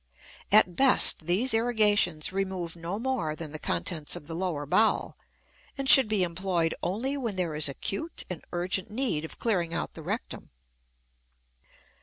At best these irrigations remove no more than the contents of the lower bowel, and should be employed only when there is acute and urgent need of clearing out the rectum.